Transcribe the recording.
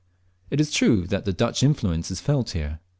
It is true the Dutch influence is felt here.